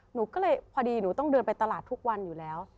หนูก็เลยพอดีหนูต้องเดินไปตลาดทุกวันอยู่แล้ว